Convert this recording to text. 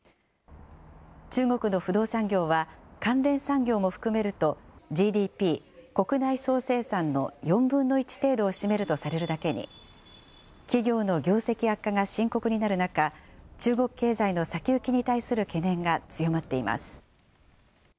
中国の不動産業は関連産業も含めると、ＧＤＰ・国内総生産の４分の１程度を占めるとされるだけに、企業の業績悪化が深刻になる中、中国経済の先行きに対する懸念が強まっています。